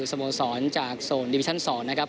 สโมสรจากโซนดิวิชั่น๒นะครับ